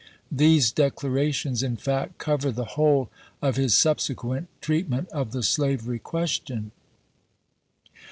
These declarations, in fact, cover the whole of his sub sequent treatment of the slavery question.